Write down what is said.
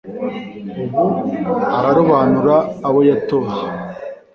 ubu ararobanura abo yatoye